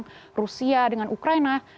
dengan rusia dengan ukraina